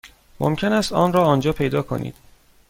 ممکن است آن را آنجا پیدا کنید.